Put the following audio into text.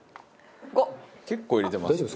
５！結構入れてます。